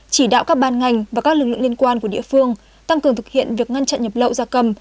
chỉ đạo các ban ngành và các lực lượng liên quan của địa phương tăng cường thực hiện việc ngăn chặn nhập lậu gia cầm